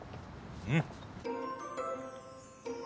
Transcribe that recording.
うん。